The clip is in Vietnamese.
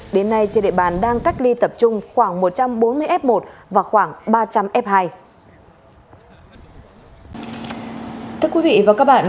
đến nay trên địa bàn đang cách ly tập trung khoảng một trăm bốn mươi f một và khoảng ba trăm linh f hai